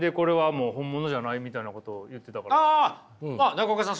中岡さん